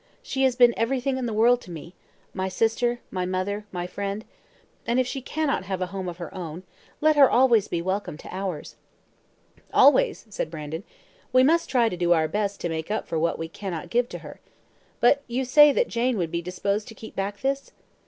She has been everything in the world to me my sister, my mother, my friend; and if she cannot have a home of her own, let her always be welcome to ours." "Always," said Brandon. "We must try to do our best to make up for what we cannot give to her. But you say that Jane would be disposed to keep back this?"